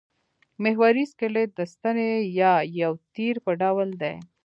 محوري سکلېټ د ستنې یا یو تیر په ډول دی.